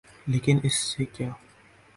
لیکن اس سے کیا؟